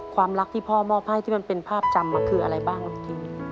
ความรักที่พ่อมอบให้ที่มันเป็นภาพจำคืออะไรบ้างลูกที